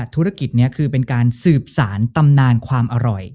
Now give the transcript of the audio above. ธุรกิจนี้คือเป็นการสืบสารตำนานความอร่อย